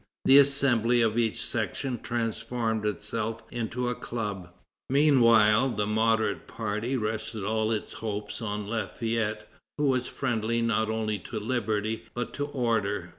The assembly of each section transformed itself into a club. Meanwhile, the moderate party rested all its hopes on Lafayette, who was friendly not only to liberty, but to order.